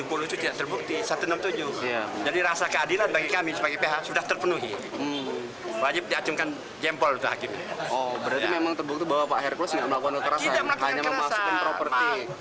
oh berarti memang terbukti bahwa pak hercules tidak melakukan kekerasan hanya memasukkan properti